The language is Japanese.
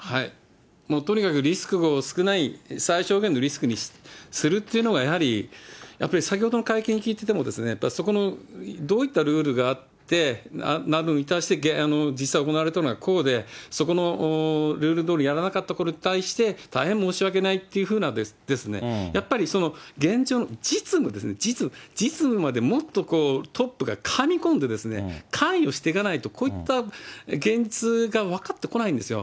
とにかくリスクを少ない、最小限のリスクにするっていうのが、やはり、やっぱり先ほどの会見聞いてても、やっぱりそこの、どういったルールがあって、実際に行われたのはこうで、そこのルールどおりやらなかったことに対して、大変申し訳ないというようなですね、やっぱり現状の実務ですね、実務までもっとトップが入り込んで、関与してかないと、こういった現実が分かってこないんですよ。